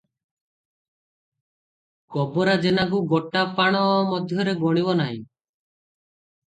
ଗୋବରା ଜେନାକୁ ଗୋଟା ପାଣ ମଧ୍ୟରେ ଗଣିବ ନାହିଁ ।